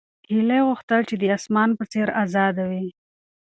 هیلې غوښتل چې د اسمان په څېر ازاده وي.